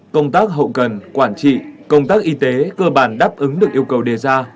công tác hậu cần quản trị công tác y tế cơ bản đáp ứng được yêu cầu đề ra